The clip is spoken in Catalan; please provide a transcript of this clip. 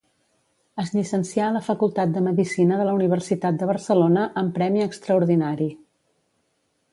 Es llicencià a la Facultat de Medicina de la Universitat de Barcelona amb premi extraordinari.